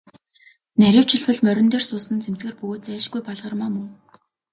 Нарийвчилбал, морин дээр суусан нь цэмцгэр бөгөөд зайлшгүй Балгармаа мөн.